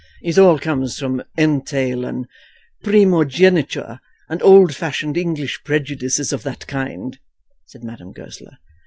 "It all comes from entail and primogeniture, and old fashioned English prejudices of that kind," said Madame Goesler.